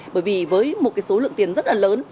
bởi vì với một cái số lượng tiền rất là lớn